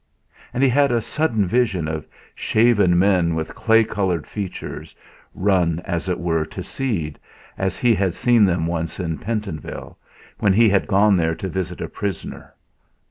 And he had a sudden vision of shaven men with clay coloured features, run, as it were, to seed, as he had seen them once in Pentonville, when he had gone there to visit a prisoner.